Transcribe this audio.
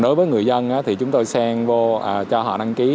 đối với người dân thì chúng tôi sen vô cho họ đăng ký